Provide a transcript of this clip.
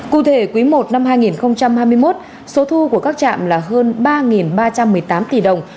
cụ thể quý i năm hai nghìn hai mươi một số thu của các trạm là hơn ba ba trăm một mươi tám tỷ đồng